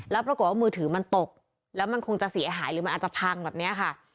แล้วปรากฏว่ามือถือมันตกแล้วมันคงจะเสียหายหรือมันอาจจะพังแบบนี้ค่ะ